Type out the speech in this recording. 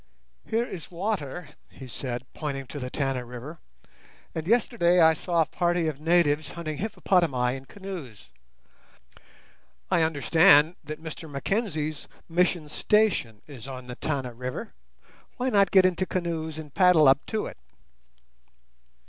"Here is water," he said, pointing to the Tana River; "and yesterday I saw a party of natives hunting hippopotami in canoes. I understand that Mr Mackenzie's mission station is on the Tana River. Why not get into canoes and paddle up to it?"